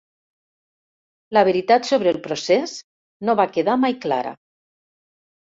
La veritat sobre el procés no va quedar mai clara.